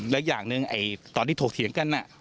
และอย่างหนึ่งตอนที่ถกเถียงกัน